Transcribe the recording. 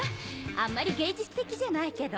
あんまり芸術的じゃないけど。